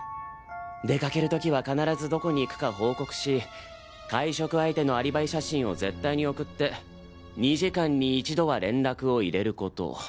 出かける時は必ずどこに行くか報告し会食相手のアリバイ写真を絶対に送って２時間に一度は連絡を入れること。